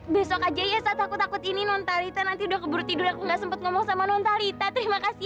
besok aja ya saat tapi takut ini non tarif empire tidur gak sempat ngomong sama nontalita terima kasih